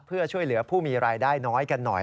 เพื่อช่วยเหลือผู้มีรายได้น้อยกันหน่อย